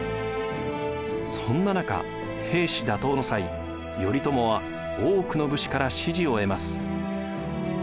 そんな中平氏打倒の際頼朝は多くの武士から支持を得ます。